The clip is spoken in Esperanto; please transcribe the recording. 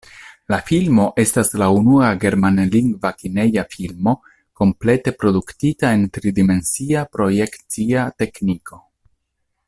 La filmo estas la unua germanlingva kineja filmo komplete produktita en tridimensia projekcia tekniko.